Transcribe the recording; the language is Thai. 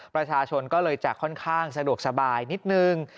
ประชาชนก็เลยจะค่อนข้างสะดวกสบายนิดนึง